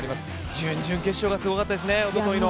準々決勝がすごかったですね、おとといの。